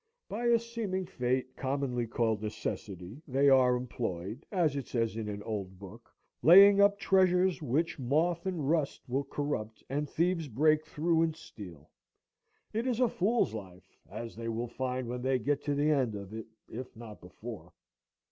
By a seeming fate, commonly called necessity, they are employed, as it says in an old book, laying up treasures which moth and rust will corrupt and thieves break through and steal. It is a fool's life, as they will find when they get to the end of it, if not before.